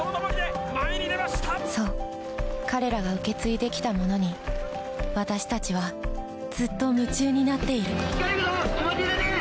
そう彼らが受け継いできたものに私たちはずっと夢中になっている・行けるぞ！